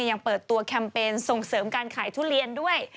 ยังเปิดตัวแคมเปญส่งเสริมการขายทุเรียนด้วย